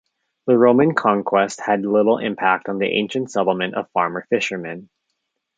The Roman conquest had little impact on the ancient settlement of farmer-fishermen.